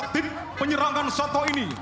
faktif penyerangan sotoh ini